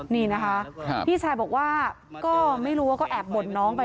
นี่นะคะพี่ชายบอกว่าก็ไม่รู้ว่าก็แอบบ่นน้องไป